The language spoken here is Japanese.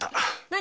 何？